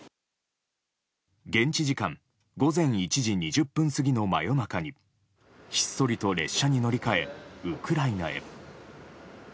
現地時間午前１時２０分過ぎの真夜中にひっそりと列車に乗り換えウクライナへ。